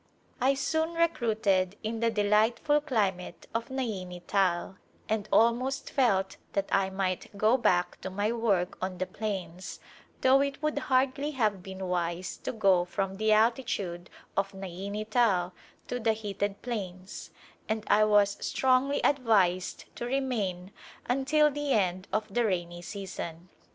I soon recruited in the delightful climate of Naini Tal and almost felt that I might go back to my work on the plains, though it would hardly have been wise to [ 120] Second Journey to India go from the altitude of Naini Tal to the heated plains, and I was strongly advised to remain until the end of the rainy season.